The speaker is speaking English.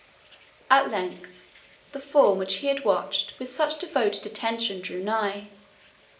At length the form which he had watched with such devoted attention drew nigh.